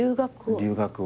留学を。